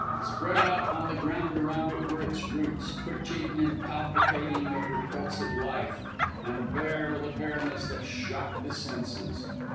Spread out on the ground around it, were its roots, twitching and palpitating with repulsive life, and bare with a bareness that shocked the senses.